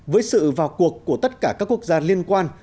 với sự vào cuộc của tất cả các quốc gia liên quan